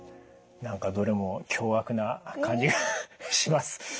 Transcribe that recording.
何かどれも凶悪な感じがします。